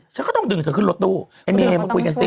ฉันก็ต้องดึงเธอขึ้นรถตู้ไอ้เมย์มาคุยกันสิ